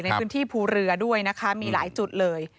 ในพื้นที่ภูเรือด้วยนะคะมีหลายจุดเลย